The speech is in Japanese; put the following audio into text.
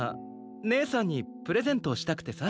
ねえさんにプレゼントしたくてさ。